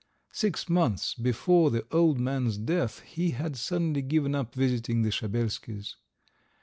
Six months before the old man's death he had suddenly given up visiting the Shabelskys.